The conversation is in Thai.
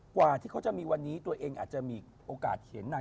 กว่าที่เขาจะมีวันนี้ตัวเองอาจจะมีโอกาสเห็นนาง